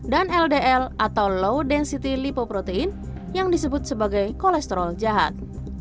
dan ldl atau low density lipoprotein yang disebut sebagai kolesterol jahat